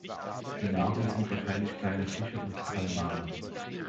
Die Nahrung sind wahrscheinlich kleine Fische und Kalmare.